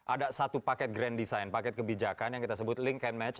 ada satu paket grand design paket kebijakan yang kita sebut link and match